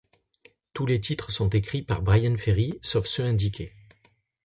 Tous les titres sont écrits par Bryan Ferry, sauf ceux indiqués.